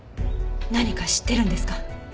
何か知ってるんですか？